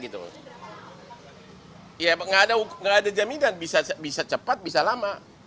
tidak ada jaminan bisa cepat bisa lama